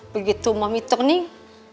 begitu mami turning